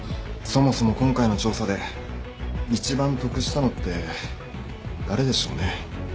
そもそも今回の調査で一番得したのって誰でしょうね。